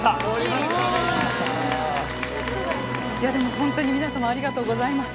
本当に皆様ありがとうございます。